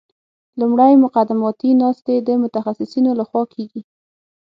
لومړی مقدماتي ناستې د متخصصینو لخوا کیږي